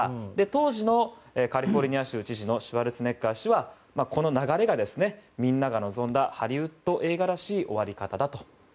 当時のカリフォルニア州知事のシュワルツェネッガーさんがこの流れはみんなが望んだハリウッド映画らしい終わり方だと。